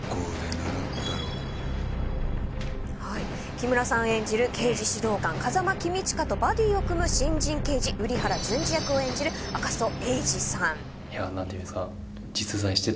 木村さん演じる刑事指導官風間公親とバディを組む新人刑事、瓜原潤史役を演じる赤楚衛二さん。